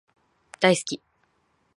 大好き